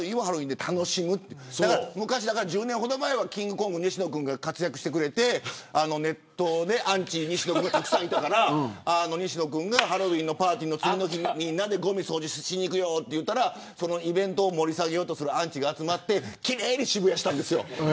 １０年ほど前はキングコング西野君が活躍してくれてネットにアンチ西野君がたくさんいたからハロウィーンパーティーの次の日にごみ掃除しに行くよといったらイベントを盛り下げようとするアンチが集まって渋谷を奇麗にしたんですよ。